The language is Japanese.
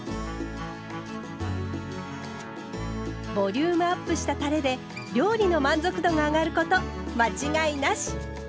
ボリュームアップしたたれで料理の満足度が上がること間違いなし！